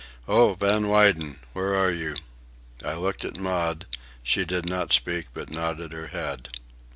"Oh, Van Weyden! where are you?" I looked at Maud. She did not speak, but nodded her head.